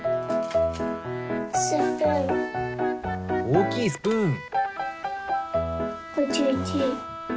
おおきいスプーン。